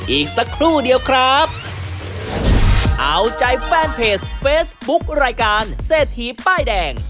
อีกสักครู่เดียวครับเอาใจแฟนเพจเฟซบุ๊ครายการเศรษฐีป้ายแดง